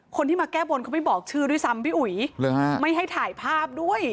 คนที่มาแก้บนเขาไม่บอกชื่อด้วยซ้ำพี่อุ๋ยหรือฮะไม่ให้ถ่ายภาพด้วย